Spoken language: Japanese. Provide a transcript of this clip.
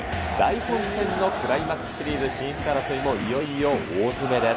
大混戦のクライマックス進出争いもいよいよ大詰め。